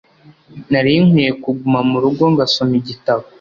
Nari nkwiye kuguma mu rugo ngasoma igitabo.